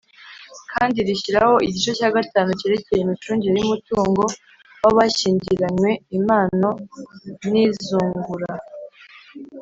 kandi rishyiraho igice cya gatanu cyerekeye imicungire y’umutungo w’abashyingiranywe impano n’izungura.